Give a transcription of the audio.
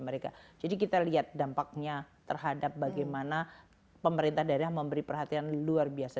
mereka jadi kita lihat dampaknya terhadap bagaimana pemerintah daerah memberi perhatian luar biasa